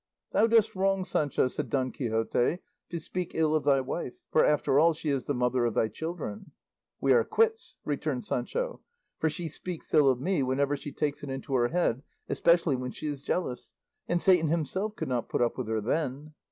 "Thou dost wrong, Sancho," said Don Quixote, "to speak ill of thy wife; for after all she is the mother of thy children." "We are quits," returned Sancho; "for she speaks ill of me whenever she takes it into her head, especially when she is jealous; and Satan himself could not put up with her then."